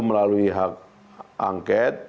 melalui hak angket